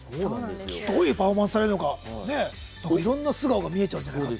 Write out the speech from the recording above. どういうパフォーマンスされるかいろんな素顔が見えちゃうんじゃないかと。